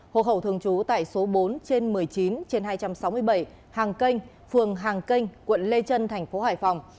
hộ khẩu thường trú tại số bốn trên một mươi chín trên hai trăm sáu mươi bảy hàng kênh phường hàng kênh quận lê trân thành phố hải phòng